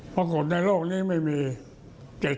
ปรากฏในโลกนี้ไม่มี๗๐ก็ไปแล้ว